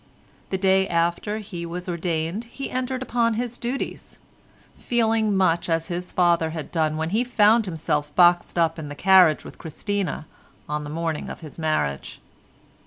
The day after he was ordained he entered upon his duties—feeling much as his father had done when he found himself boxed up in the carriage with Christina on the morning of his marriage.